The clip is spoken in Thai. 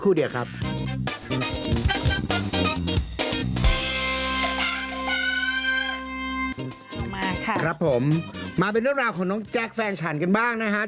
ออกมาค่ะครับผมมาเป็นเรื่องราวของน้องแจ๊คแฟนฉันกันบ้างนะครับ